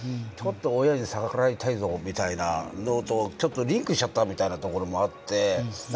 ちょっと親に逆らいたいぞみたいなのとちょっとリンクしちゃったみたいなところもあって。